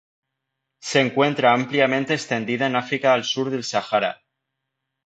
Se encuentra ampliamente extendida en África al sur del Sahara.